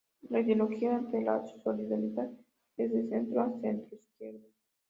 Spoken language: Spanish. La ideología de la solidaridad es de centro a centroizquierda.